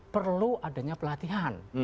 perlu adanya pelatihan